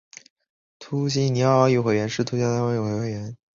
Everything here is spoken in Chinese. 突尼西亚奥林匹克委员会是突尼西亚的国家奥林匹克委员会。